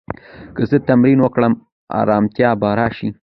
که زه تمرین وکړم، ارامتیا به راشي.